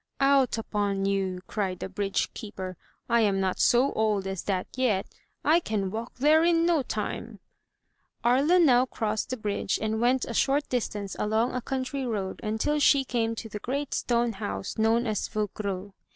*' "Out upon you!" cried the bridge keeper. "I am not so old as that yet! I can walk there in no time!" Aria now crossed the bridge and went a short distance along a country road until she came to the great stone house known as Vougereau.